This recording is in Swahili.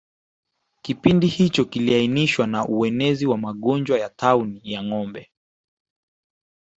Kipindi hicho kiliainishwa na uenezi wa magonjwa ya tauni ya ngombe